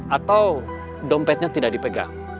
atau dompetnya tidak dipegang